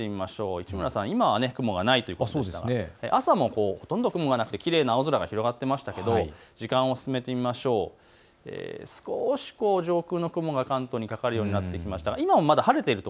市村さん、今は雲はないと言っていましたが朝は雲がなく青空が広がっていましたが時間を進めると少し上空の雲が関東にかかるようになってきました。